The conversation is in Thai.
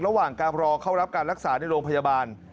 ระหว่างการรอเข้ารับการรักษาในโรงพยาบาล